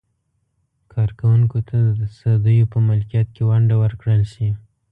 کارکوونکو ته د تصدیو په ملکیت کې ونډه ورکړل شي.